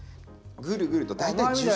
ぐるぐると大体１０周。